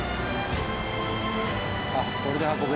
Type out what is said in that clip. あっこれで運べる。